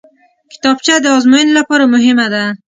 کتابچه د ازموینې لپاره مهمه ده